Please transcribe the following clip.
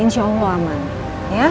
insya allah aman ya